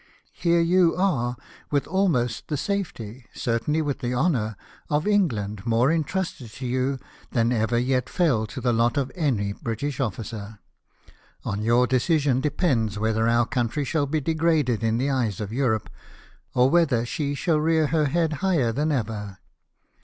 Here you are, with almost the safety — certainly with the honour — of England more entrusted to you than ever yet fell to the lot of any British officer. On your decision depends whether our country shall be degraded in the eyes of Europe, or whether she shall rear her head higher than ever.